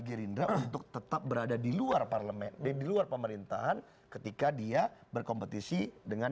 gerindra untuk tetap berada di luar parlemen di luar pemerintahan ketika dia berkompetisi dengan